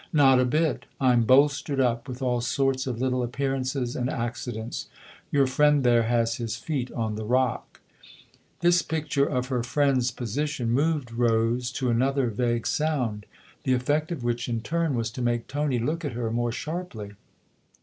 " Not a bit ! I'm bolstered up with all sorts of little appearances and accidents. Your friend there has his feet on the rock." This picture of her 8o THE OTHER HOUSE friend's position moved Rose to another vague sound the effect of which, in turn, was to make Ton}' look at her more sharply.